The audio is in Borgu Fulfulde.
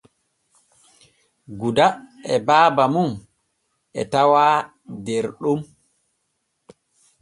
Guda e baaba mum e tawaa der ɗon.